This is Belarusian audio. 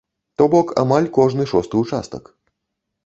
То бок амаль кожны шосты участак.